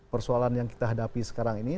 persoalan yang kita hadapi sekarang ini